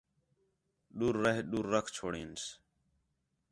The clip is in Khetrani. ݙور رہ ݙور رکھ چھوڑینس